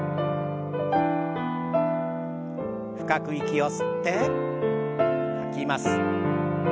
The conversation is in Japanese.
深く息を吸って吐きます。